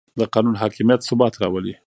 د قانون حاکمیت ثبات راولي